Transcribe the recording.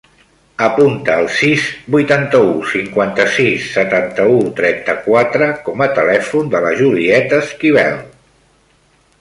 Apunta el sis, vuitanta-u, cinquanta-sis, setanta-u, trenta-quatre com a telèfon de la Julieta Esquivel.